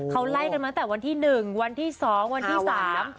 เขาไล่กันมาตั้งแต่วันที่หนึ่งวันที่สองวันที่สาม